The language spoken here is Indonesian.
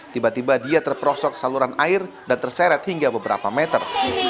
tiba tiba dia terperosok saluran air dan terseret hingga beberapa meter